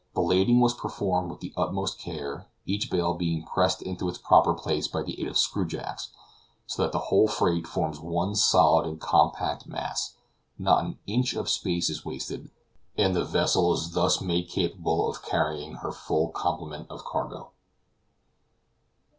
The lading was performed with the utmost care, each bale being pressed into its proper place by the aid of screw jacks, so that the whole freight forms one solid and compact mass; not an inch of space is wasted, and the vessel is thus made capable of carrying her full complement of cargo.